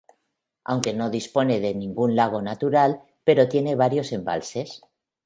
Aunque no dispone de ningún lago natural pero tiene varios embalses.